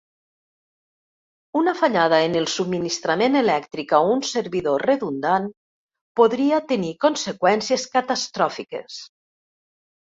Una fallada en el subministrament elèctric a un servidor redundant, podria tenir conseqüències catastròfiques.